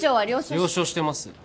了承してます。